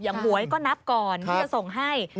หวยก็นับก่อนที่จะส่งให้